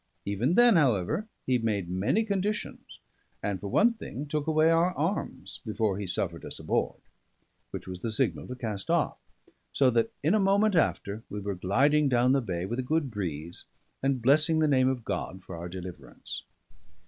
Even then, however, he made many conditions, and for one thing took away our arms, before he suffered us aboard; which was the signal to cast off; so that in a moment after we were gliding down the bay with a good breeze, and blessing the name of God for our deliverance.